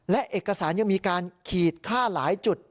และเอกสารยังมีการขีดค่าหลายจุด